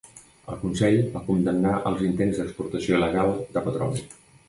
El Consell va condemnar els intents d'exportació il·legal de petroli.